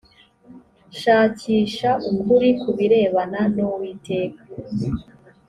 shakisha ukuri ku birebana n uwiteka